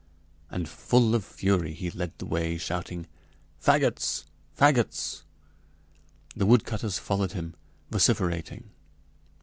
And full of fury, he led the way, shouting: "Fagots! Fagots!" The woodcutters followed him, vociferating.